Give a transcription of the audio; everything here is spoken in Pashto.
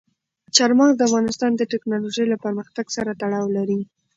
چار مغز د افغانستان د تکنالوژۍ له پرمختګ سره تړاو لري.